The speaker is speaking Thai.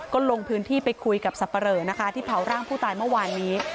ก็ลงพื้นที่ไปคุยกับสับปะเหลอนะคะที่เผาร่างผู้ตายเมื่อวานนี้